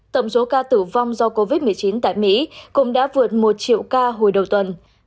tổng số ca tử vong do covid một mươi chín tại mỹ cũng đã vượt một triệu ca hồi đầu tuần